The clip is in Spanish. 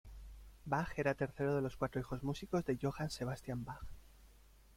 Bach era tercero de los cuatro hijos músicos de Johann Sebastian Bach.